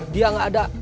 dia tidak ada